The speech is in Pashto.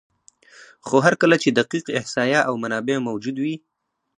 خو هر کله چې دقیق احصایه او منابع موجود وي،